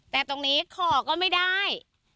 แต่ตรงนี้ขอก็ไม่ได้